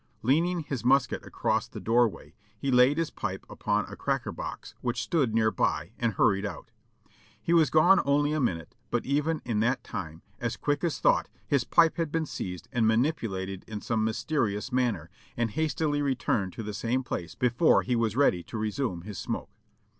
Leaning his musket across the doorway, he laid his pipe upon a cracker box which stood near by, and hurried out. He was gone only a minute, but even in that time, as quick as thought, his pipe had been seized and manipulated in some mys terious manner, and hastily returned to the same place before he was ready to resume his smoke.